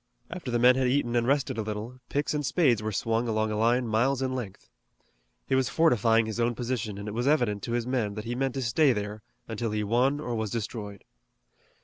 After the men had eaten and rested a little, picks and spades were swung along a line miles in length. He was fortifying his own position, and it was evident to his men that he meant to stay there until he won or was destroyed.